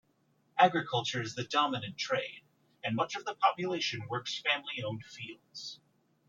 Agriculture is the dominant trade, and much of the population works family-owned fields.